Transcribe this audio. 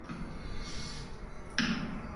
Bueltan ziren nire adiskideak, auskalo nondik.